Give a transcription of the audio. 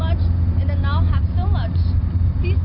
แล้วที่หนูบอกว่าเขาเนี่ยมันเฮะยากบนรถ